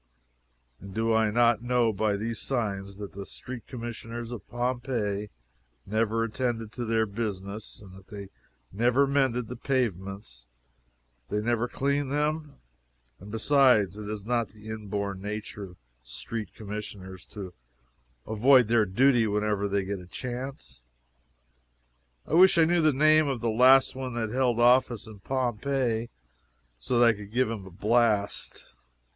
And do I not know by these signs that Street Commissioners of Pompeii never attended to their business, and that if they never mended the pavements they never cleaned them? And, besides, is it not the inborn nature of Street Commissioners to avoid their duty whenever they get a chance? I wish I knew the name of the last one that held office in Pompeii so that I could give him a blast.